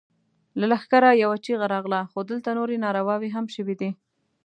له لښکره يوه چيغه راغله! خو دلته نورې نارواوې هم شوې دي.